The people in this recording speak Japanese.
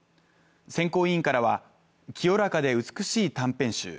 選考委員からは、清らかで美しい短編集。